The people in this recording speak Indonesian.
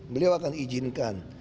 beliau akan izinkan